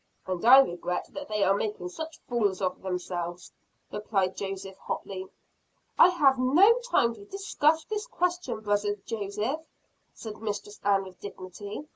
"And I regret that they are making such fools of themselves," replied Joseph hotly. "I have no time to discuss this question, brother Joseph," said Mistress Ann with dignity.